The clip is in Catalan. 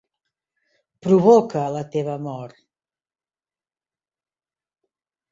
Provoca la teva mort!